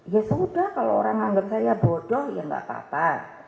ya sudah kalau orang menganggap saya bodoh ya nggak apa apa